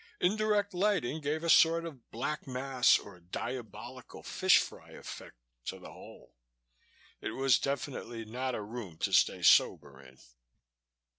Indirect lighting gave a sort of Black Mass or Diabolical Fish Fry effect to the whole. It was definitely not a room to stay sober in.